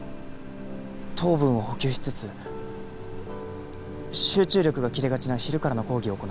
糖分を補給しつつ集中力が切れがちな昼からの講義を行う。